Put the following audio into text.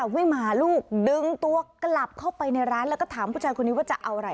วิ่งมาลูกดึงตัวกลับเข้าไปในร้านแล้วก็ถามผู้ชายคนนี้ว่าจะเอาอะไร